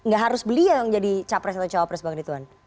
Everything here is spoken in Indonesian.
gak harus beliau yang jadi capres atau cawapres bang rituan